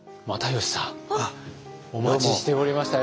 お待ちしておりましたよ。